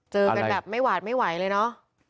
เจอกันแบบไม่หวาดไม่ไหวเลยเนอะ